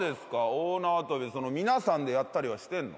大縄跳び皆さんでやったりはしてるの？